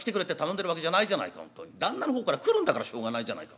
旦那の方から来るんだからしょうがないじゃないか。